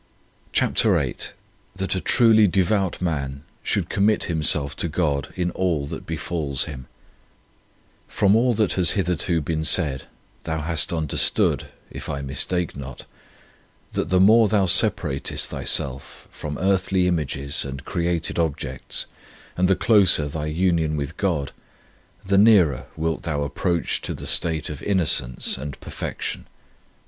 CHAPTER VIII THAT A TRULY DEVOUT MAN SHOULD COMMIT HIMSELF TO GOD IN ALL THAT BEFALLS HIM FROM all that has hitherto been said, thou hast under stood, if I mistake not, that the more thou separatest thyself from earthly images and created objects, and the closer thy union with God, the nearer wilt thou approach to the state of innocence and perfec tion.